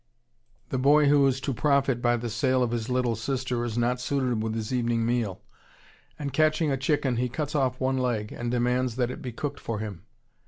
The boy who is to profit by the sale of his little sister is not suited with his evening meal, and, catching a chicken, he cuts off one leg and demands that it be cooked for him.